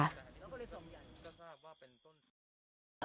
ก็มีสักว่าเป็นต้น